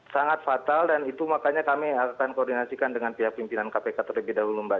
sangat fatal dan itu makanya kami akan koordinasikan dengan pihak pimpinan kpk terlebih dahulu mbak